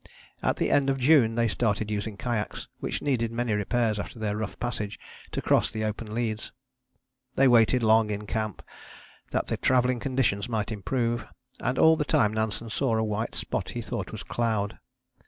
At the end of June they started using the kayaks, which needed many repairs after their rough passage, to cross the open leads. They waited long in camp, that the travelling conditions might improve, and all the time Nansen saw a white spot he thought was cloud.